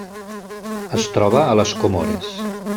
Es troba a les Comores.